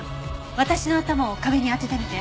私の頭を壁に当ててみて。